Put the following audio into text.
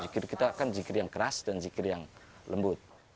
zikir kita kan zikir yang keras dan zikir yang lembut